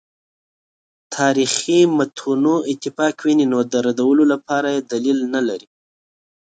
تاریخي متونو اتفاق ویني نو د ردولو لپاره دلیل نه لري.